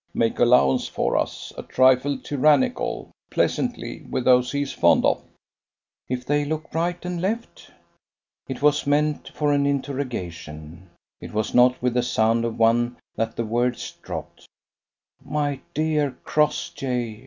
make allowance for us a trifle tyrannical, pleasantly, with those he is fond of?" "If they look right and left?" It was meant for an interrogation; it was not with the sound of one that the words dropped. "My dear Crossjay!"